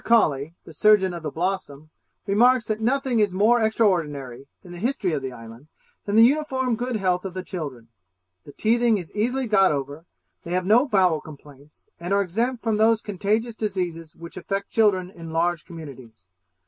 Collie, the surgeon of the Blossom, remarks that nothing is more extraordinary, in the history of the island, than the uniform good health of the children; the teething is easily got over, they have no bowel complaints, and are exempt from those contagious diseases which affect children in large communities.